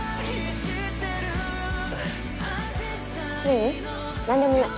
ううん何でもない。